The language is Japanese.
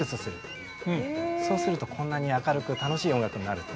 そうするとこんなに明るく楽しい音楽になると。